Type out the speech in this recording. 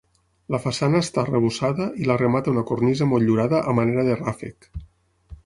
La façana està arrebossada i la remata una cornisa motllurada a manera de ràfec.